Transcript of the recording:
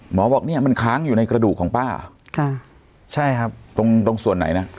บอกเนี่ยมันค้างอยู่ในกระดูกของป้าค่ะใช่ครับตรงตรงส่วนไหนนะ